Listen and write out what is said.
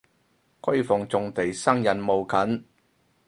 閨房重地生人勿近